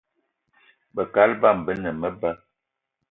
Be kaal bama be ne meba